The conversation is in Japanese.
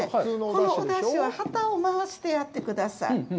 このお出汁ははたを回してやってください。